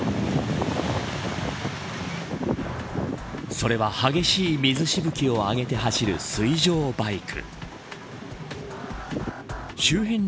それは激しい水しぶきを上げて走る水上バイク。